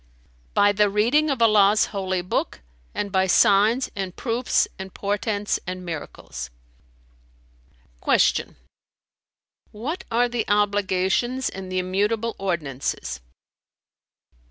"By the reading of Allah's Holy Book and by signs and proofs and portents and miracles!" Q "What are the obligations and the immutable ordinances?"